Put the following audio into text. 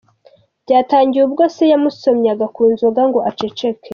Byatangiye ubwo se yamusomyaga ku nzoga ngo aceceke.